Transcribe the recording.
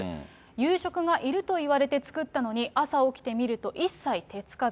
夕食がいると言われて作ったのに、朝起きてみると一切手付かず。